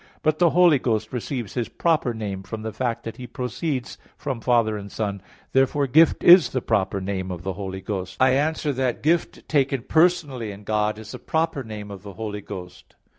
But the Holy Ghost receives His proper name from the fact that He proceeds from Father and Son. Therefore Gift is the proper name of the Holy Ghost. I answer that, Gift, taken personally in God, is the proper name of the Holy Ghost.